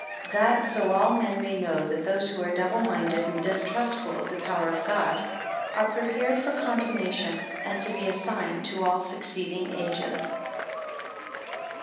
4 That so all men may know, that those who are double minded, and distrustful of the power of God, are prepared for condemnation, and to be a sign to all succeeding ages.